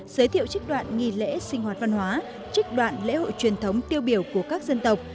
giới thiệu trích đoạn nghi lễ sinh hoạt văn hóa trích đoạn lễ hội truyền thống tiêu biểu của các dân tộc